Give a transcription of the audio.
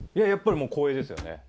やっぱりもう光栄ですよね。